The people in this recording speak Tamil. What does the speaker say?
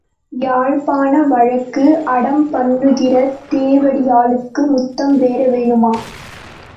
யாழ்ப்பாண வழக்கு அடம் பண்ணுகிற தேவடியாளுக்கு முத்தம் வேறே வேணுமா?